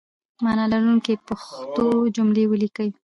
معنی لرونکي پښتو جملې ولیکئ!